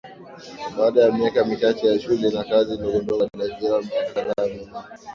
Baada ya miaka michache ya shule na kazi ndogondogo aliajiriwa Miaka kadhaa nyuma